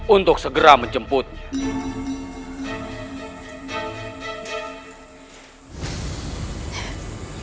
untuk segera menjemputnya